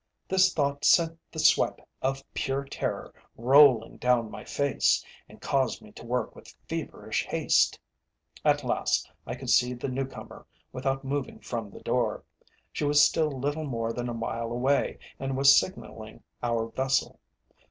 This thought sent the sweat of pure terror rolling down my face, and caused me to work with feverish haste. At last I could see the new comer without moving from the door. She was still little more than a mile away, and was signalling our vessel.